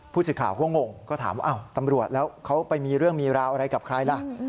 ผู้สื่อข่าวก็งงก็ถามว่าตำรวจแล้วเขาไปมีเรื่องมีราวอะไรกับใครล่ะ